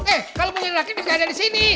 eh kalo mau nyari raket dia gak ada disini